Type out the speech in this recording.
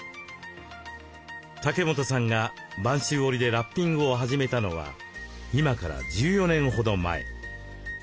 竹本さんが播州織でラッピングを始めたのは今から１４年ほど前。